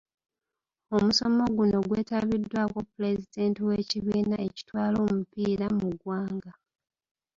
Omusomo guno gwetabiddwako pulezidenti w'ekibiina ekitwala omupiira mu ggwanga